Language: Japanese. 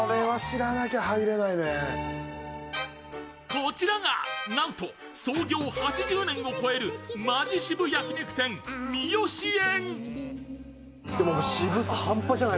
こちらがなんと創業８０年を超えるマヂ渋焼き肉店、三好苑。